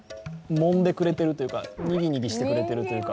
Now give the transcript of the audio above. もんでくれているというか、ニギニギしてくれているというか。